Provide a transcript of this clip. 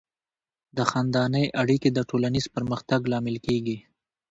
د خاندنۍ اړیکې د ټولنیز پرمختګ لامل کیږي.